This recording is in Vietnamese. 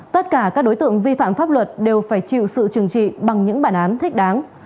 tất cả các đối tượng vi phạm pháp luật đều phải chịu sự trừng trị bằng những bản án thích đáng